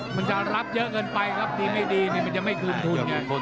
มันจะรับเยอะเกินไปครับดีไม่ดีมันจะไม่คืนทุนไง